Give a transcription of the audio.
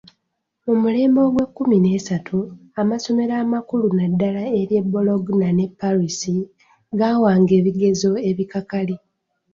Mu mulembe ogw'ekkumi n'esatu, amasomero amakulu naddala ery'e Bologna ne Paris, gaawanga ebigezo ebikakali.